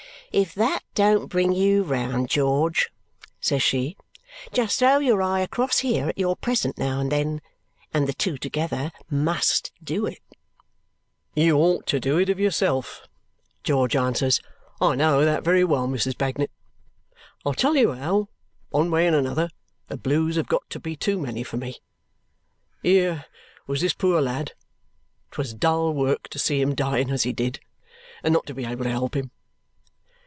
"If that don't bring you round, George," says she, "just throw your eye across here at your present now and then, and the two together MUST do it." "You ought to do it of yourself," George answers; "I know that very well, Mrs. Bagnet. I'll tell you how, one way and another, the blues have got to be too many for me. Here was this poor lad. 'Twas dull work to see him dying as he did, and not be able to help him."